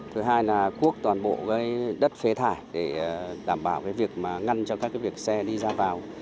thứ hai là cuốc toàn bộ đất phế thải để đảm bảo việc ngăn cho các việc xe đi ra vào